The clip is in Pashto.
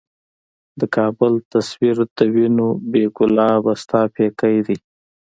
د کـــــــــابل تصویر د وینو ،بې ګلابه ستا پیکی دی